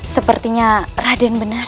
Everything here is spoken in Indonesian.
sepertinya raden benar